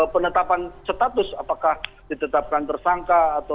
penetapan status apakah ditetapkan tersangka atau